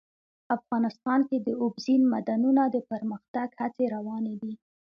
افغانستان کې د اوبزین معدنونه د پرمختګ هڅې روانې دي.